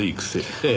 ええ。